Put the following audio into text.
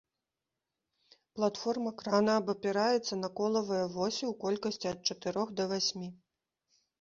Платформа крана абапіраецца на колавыя восі ў колькасці ад чатырох да васьмі.